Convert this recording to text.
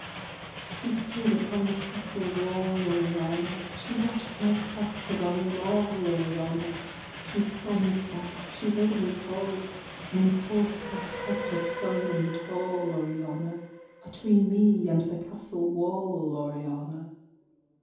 She stood upon the castle wall, Oriana: She watch'd my crest among them all, Oriana: She saw me fight, she heard me call, When forth there stept a foeman tall, Oriana, Atween me and the castle wall, Oriana.